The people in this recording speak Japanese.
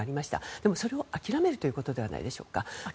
でも、それをあきらめるということではないでしょうか。